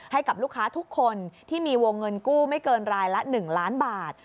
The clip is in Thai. ให้กับลูกค้าทุกคนที่มีวงเงินกู้ไม่เกินรายละ๑ล้านบาท